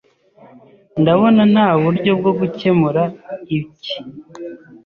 Ndabona nta buryo bwo gukemura iki.